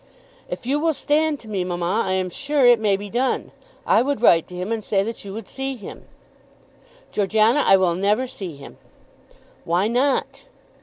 "If you will stand to me, mamma, I am sure it may be done. I would write to him, and say that you would see him." "Georgiana, I will never see him." "Why not?"